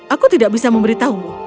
aku tidak bisa memberitahumu